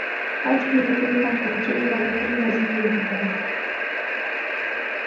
ئاچ كۆزلۈكنى تاشلىغۇچى ئىبادەتنىڭ لەززىتىنى تاپىدۇ.